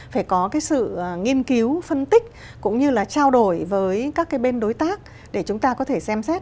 phải có cái sự nghiên cứu phân tích cũng như là trao đổi với các cái bên đối tác để chúng ta có thể xem xét